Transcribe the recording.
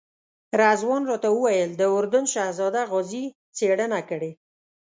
رضوان راته وویل د اردن شهزاده غازي څېړنه کړې.